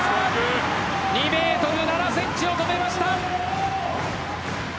２ｍ７ｃｍを止めました！